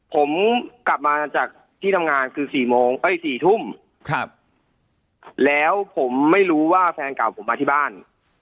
ผมกลับมาจากที่ทำงานคือ๔โมงเอ้ย๔ทุ่มแล้วผมไม่รู้ว่าแฟนเก่าผมมาที่บ้าน